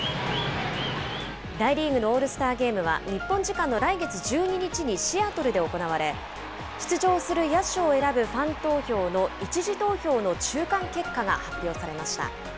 大リーグのオールスターゲームは日本時間の来月１２日にシアトルで行われ、出場する野手を選ぶファン投票の１次投票の中間結果が発表されました。